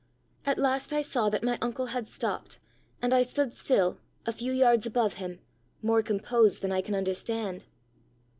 At last I saw that my uncle had stopped, and I stood still, a few yards above him, more composed than I can understand."